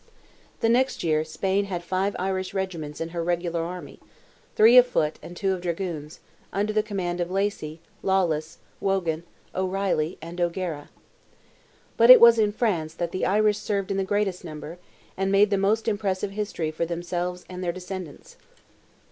The next year Spain had five Irish regiments in her regular army, three of foot and two of dragoons, under the command of Lacy, Lawless, Wogan, O'Reilly, and O'Gara. But it was in France that the Irish served in the greatest number, and made the most impressive history for themselves and their descendants.